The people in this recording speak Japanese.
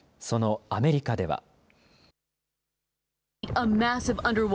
そのアメリカでは。